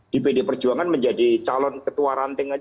di pd perjuangan menjadi calon ketua ranting